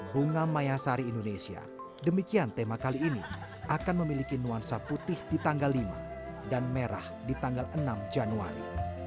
bunga mayasari indonesia demikian tema kali ini akan memiliki nuansa putih di tanggal lima dan merah di tanggal enam januari